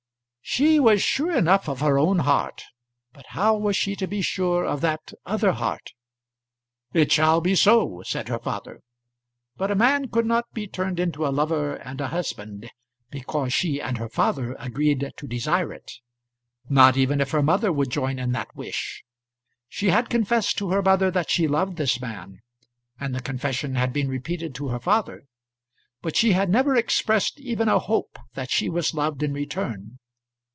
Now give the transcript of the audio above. She was sure enough of her own heart; but how was she to be sure of that other heart? "It shall be so," said her father. But a man could not be turned into a lover and a husband because she and her father agreed to desire it; not even if her mother would join in that wish. She had confessed to her mother that she loved this man, and the confession had been repeated to her father. But she had never expressed even a hope that she was loved in return.